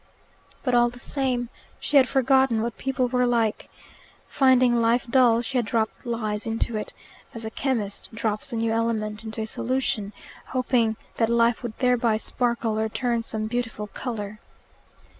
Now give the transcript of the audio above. But all the same, she had forgotten what people were like. Finding life dull, she had dropped lies into it, as a chemist drops a new element into a solution, hoping that life would thereby sparkle or turn some beautiful colour.